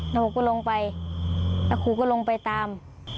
แล้วผมก็ลงไปแล้วครูก็ลงไปตาม